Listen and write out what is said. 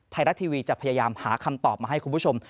ไทยรัฐทีวีจะพยายามหาคำตอบมาให้คุณผู้ชม